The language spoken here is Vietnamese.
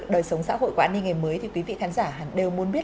đời sống xã hội của an ninh ngày mới thì quý vị khán giả đều muốn biết